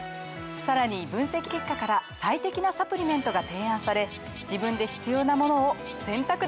さらに分析結果から最適なサプリメントが提案され自分で必要なものを選択できます！